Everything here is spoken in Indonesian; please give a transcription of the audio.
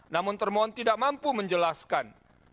namun termohon tidak mampu menjelaskan